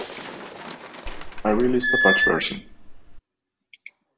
I released a patch version